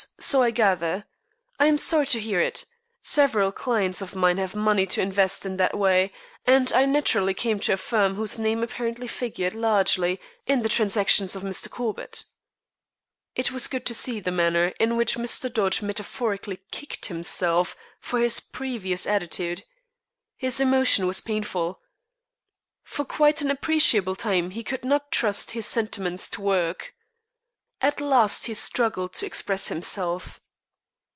So I gather. I am sorry to hear it. Several clients of mine have money to invest in that way, and I naturally came to a firm whose name apparently figured largely in the transactions of Mr. Corbett." It was good to see the manner in which Mr. Dodge metaphorically kicked himself for his previous attitude. His emotion was painful. For quite an appreciable time he could not trust his sentiments to words. At last he struggled to express himself.